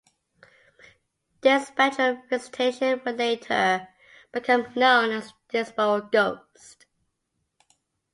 This spectral visitation would later become known as the Dixboro Ghost.